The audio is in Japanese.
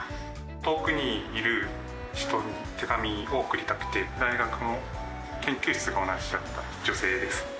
遠くにいる人に手紙を送りたくて、大学の研究室が同じだった女性です。